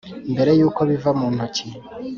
mbere yuko biva mu ntoki.